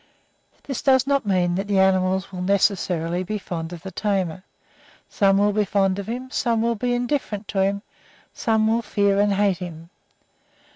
This does not mean that the animals will necessarily be fond of the tamer; some will be fond of him, some will be indifferent to him, some will fear and hate him.